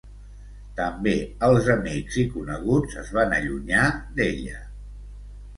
També els amics i coneguts es van allunyar d'ella.